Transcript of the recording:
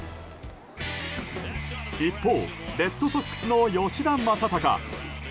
一方、レッドソックスの吉田正尚。